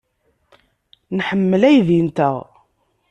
Nḥemmel aydi-nteɣ.